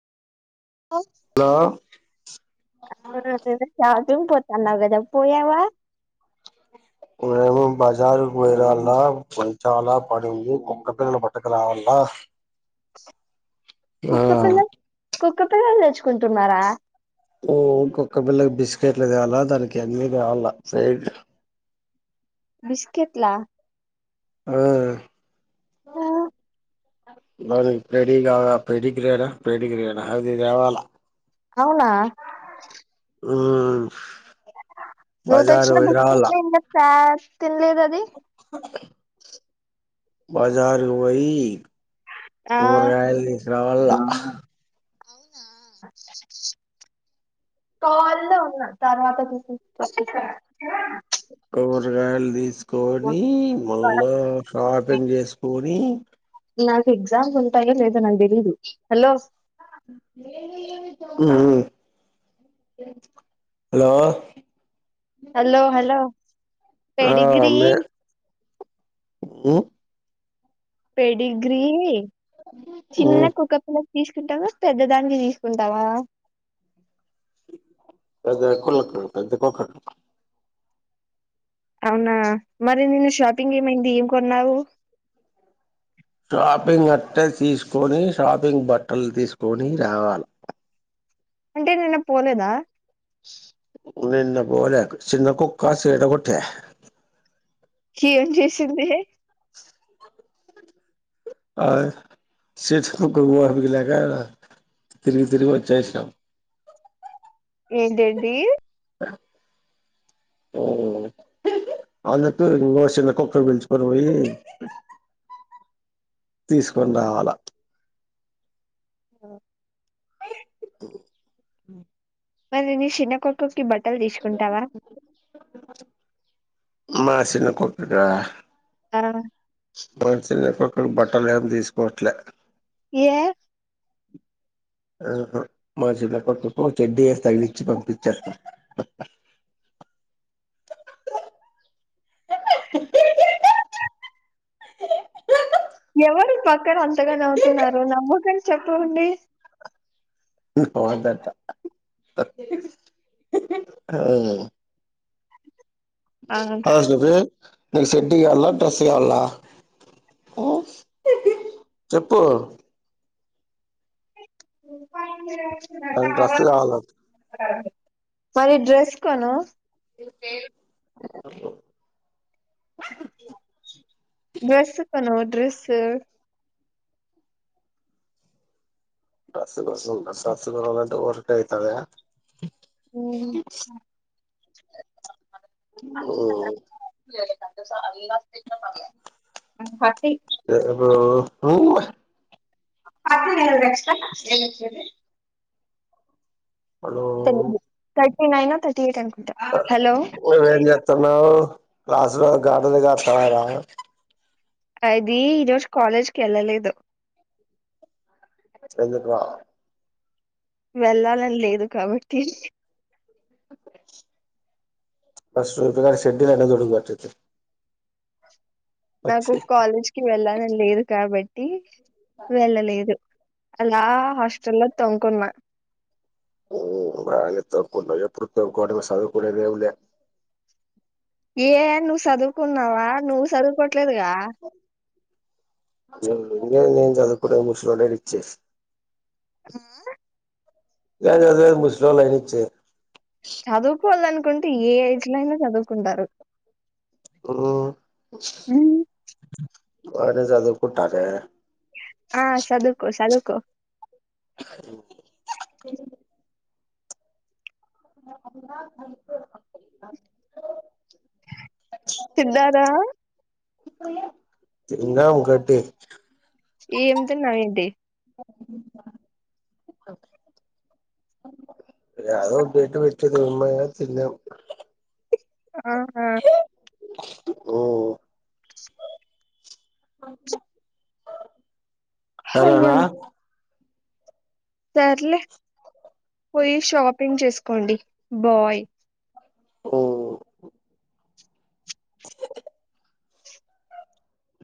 hello ఆ అదేదో charging పెట్టు అన్నావ్ కదా పోయావ మేము బజారుకు పోయరాళ్ళ ప చాలా పడింది, కుక్క పిల్లలు పట్టకు రావల్ల ఆ కుక్క పిల్ల కుక్క పిల్లలు తెచ్చుకుంటున్నారా ఓ కుక్క పిల్లకి బిస్కెట్లు తేవాలా దానికి అన్నిీ కావాలా ఫైడ్ బిస్కెట్ లా ఆ దాని పేడిగా పేడిగ్రేడా పేడి గ్రేడా అది దేవాల అవునా హూ నుతచ్చ [unintelligible] తినలేద్ అది బజారు ఓ.. యీ ఆ కూరగాయల్ తీసుకురావల్లా కాల్ల్లో ఉన్నా తర్వాత చూసి తెచ్చిస్తా కూరగాయల్ తీస్ కోని మళ్ళా షాపింగ్ చేసుకొని నాకు ఎగ్జామ్ప్ ఉంటాయో లేదో నాక్ తెలీదు హలో హ్మ్ హలో హలో హలో ఆ పెడిగ్రీ మే మ్మ్ పెడిగ్రీ చిన్న మ్మ్ కుక్కపిల తీసుకుంటవా పెద్దదానికి తీసుకుంటావా అదే కొల్లకు అద్ద కొక్క అవునా మరి నిన్న షాపింగ్ ఏమైంది ఏం కొన్నావు షాపింగ్ అట్టే తీసుకొని షాపింగ్ బట్టలు తీసుకొని రావాల్ అంటే నిేన్న పోలేదా నిన్న బోలా సిన్నా కుక్కా సేత కొట్టే ఏం చేసింది ఆ చేత్కుకుక్క కొరికిది లేక తిరిగి తిరిగి వచ్చేసినాం ఏంటిేంటి అందుకు ఇంగో చిన్న కుక్క పిల్చుకొని పోయి తీసుకొని రావాల ఆ అ మరి నీ శిన్న కుక్క కి బట్ ట్టలు తీసుకుంటావా మా చిన్న కూతురా ఆ [unintelligible] పూడు బాటలేం తీసుకోవట్లే ఏ ఆహా మా చిన్న కొతుకు చెడీసి తగిలించి పంపించస్త ఎవరు పక్కన అంతగా నవ్వుతున్నారు నవ్వుకని చెప్పండి అ ఆ అ [unintelligible] నేను చెడీ ఈయాలన డ్రస్ ఈయాలన చేపు వా నాకు డ్రెస్ కావాల మరి డ్రెస్ కొను ఏ డ్రెస్ కొను డ్రెస్సు బసు బ సస బలంట వర్క అయితాద హ్మ్ [inaudible] [inaudible] ఆ హా ఏవో టుమచ్ పాలన [unintelligible] మనం తెలియదు నైనాథర్టీ ఎయిట్ అనుకుంటా హలో నువెంచస్తానవ్ క్లాస్ లో గడిదలుగస్తానర అది ఈరోజు కాలేజ్ కేళ్ళలేదు చెందుకు వెళ్ళాలని లేదు కాబట్టి పస్ ర ప్రక సెడ్డినే దొడుకు అత్తయితే నాకు కాలేజ్కి వెళ్ళాలని లేదు కాబ టి వెళ్ళలేదు అలా హాస్టల్లో తొంకున్నా హ్మ్ బానే తొంకున్నావ్ ఎప్పుడు తొంకోడమే సదువుకొనేది ఏం లా ఏ నువ్వు చదువుకున్నావా నువ్వు చదువుకోట్లేదుగా [unintelligible] నేను చదువుకోలేదు [unintelligible] ఆ గద అదే ముసలోళ్ళుఅయినిచ్చే చదువుకోవల్ల అనుకుంటే ఏ ఏజ్ లో ఐనా చదువుకో కుంటారు ఓ బానే చదుకుంటానే ఆ సదువుకో సదువుకో [unintelligible] తిద్ధారా తిన్నా ఒకటి ఎం తిన్నావ్ ఏంటి అదయాదో బయట పెట్టిండ మా అమ్మయ్య తిన్నాం ఆహా ఓ సరేనా అయ్యం సర్లే పోయి షాపింగ్ చేసుకోండి బాయ్ ఓ